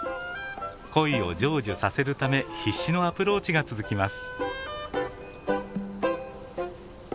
恋を成就させるため必死のアプローチが続きます。